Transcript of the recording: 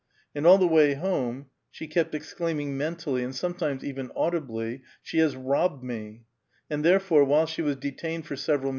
And all tlie wa^' home she kept exclaim *^cs mentally, and sometimes even audibly, '' She has robbed i^e I *' And, therefore, while she was detained for several